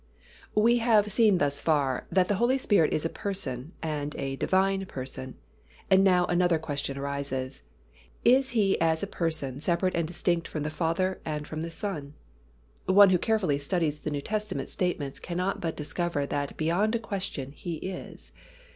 We have seen thus far that the Holy Spirit is a Person and a Divine Person. And now another question arises, Is He as a Person separate and distinct from the Father and from the Son? One who carefully studies the New Testament statements cannot but discover that beyond a question He is.